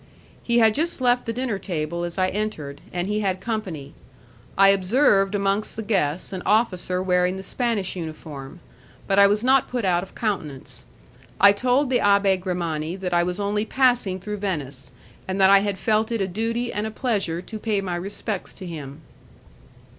He had just left the dinner table as I entered, and he had company. I observed amongst the guests an officer wearing the Spanish uniform, but I was not put out of countenance. I told the Abbé Grimani that I was only passing through Venice, and that I had felt it a duty and a pleasure to pay my respects to him.